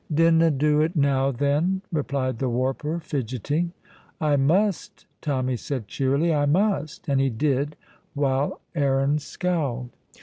"Dinna do it now, then," replied the warper, fidgeting. "I must," Tommy said cheerily, "I must"; and he did, while Aaron scowled.